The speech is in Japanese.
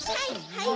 はい！